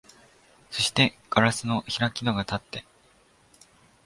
そして硝子の開き戸がたって、